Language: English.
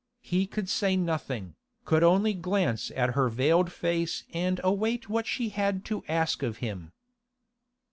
He could say nothing, could only glance at her veiled face and await what she had to ask of him.